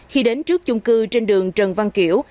khi đến trước chung cư trên đường trần văn kiểu